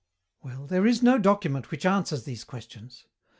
"Well, there is no document which answers these questions.